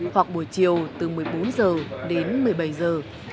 hoặc buổi chiều từ một mươi bốn giờ đến một mươi bảy giờ